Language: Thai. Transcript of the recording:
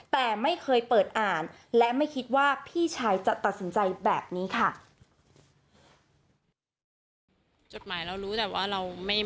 แต่ไม่เคยเปิดอ่านและไม่คิดว่าพี่ชายจะตัดสินใจแบบนี้ค่ะ